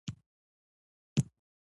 مېلمه ته د زړه له درده دعا ورکړه.